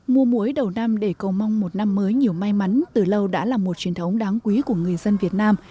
mùa muối đầu năm để cầu mong một năm mới nhiều may mắn từ lâu đã là một truyền thống đáng quý của người dân việt nam